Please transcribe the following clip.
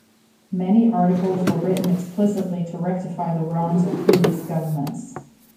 Many articles were written explicitly to rectify the wrongs of previous governments.